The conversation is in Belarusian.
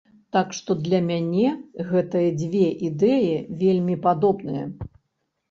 Так што для мяне гэтыя дзве ідэі вельмі падобныя.